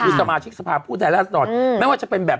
คือสมาชิกสภาพผู้แทนราชดรไม่ว่าจะเป็นแบบ